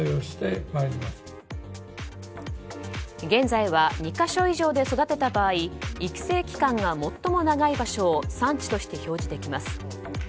現在は２か所以上で育てた場合育成期間が最も長い場所を産地として表示できます。